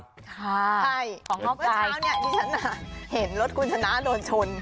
ใช่เมื่อเช้าเนี่ยดิฉันเห็นรถคุณชนะโดนชน